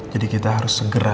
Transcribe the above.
jadi kita harus segera